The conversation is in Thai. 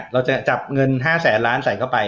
เราจะจับเงิน๕แสนล้านใส่เข้าไป